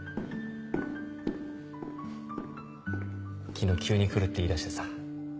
昨日急に来るって言いだしてさ。